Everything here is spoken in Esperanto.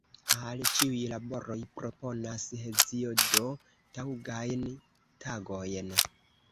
Al ĉiuj laboroj proponas Heziodo taŭgajn tagojn.